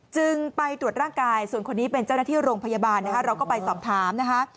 จึงไปตรวจร่างกายส่วนคนนี้เป็นเจ้าหน้าที่โรงพยาบาลนะคะเราก็ไปสอบถามนะคะ